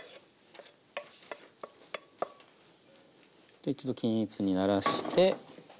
で一度均一にならして。